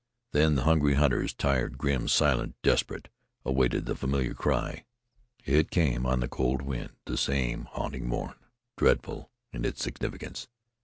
Then the hungry hunters, tired, grim, silent, desperate, awaited the familiar cry. It came on the cold wind, the same haunting mourn, dreadful in its significance.